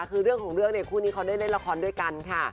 คือเรื่องของเรื่องเนี่ยคู่นี้เขาได้เล่นละครด้วยกันค่ะ